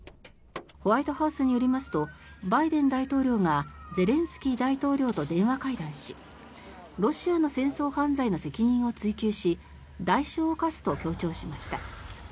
ホワイトハウスによりますとバイデン大統領がゼレンスキー大統領と電話会談しロシアの戦争犯罪の責任を追及し代償を科すと強調しました。